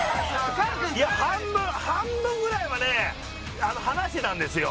いや半分ぐらいはね離してたんですよ。